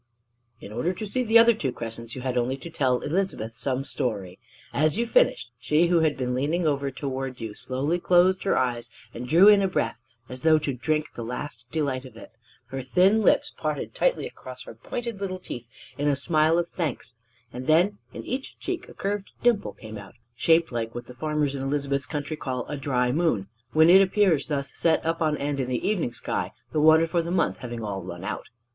In order to see the other crescents, you had only to tell Elizabeth some story. As you finished, she who had been leaning over toward you slowly closed her eyes and drew in a breath as though to drink the last delight of it; her thin lips parted tightly across her pointed little teeth in a smile of thanks; and then in each cheek a curved dimple came out, shaped like what the farmers in Elizabeth's country call "a dry moon" when it appears thus set up on end in the evening sky the water for the month having all run out.